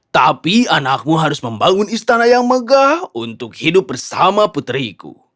tapi anakmu harus membangun istana yang megah untuk hidup bersama putriku